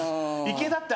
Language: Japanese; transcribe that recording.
池田って。